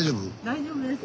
大丈夫です。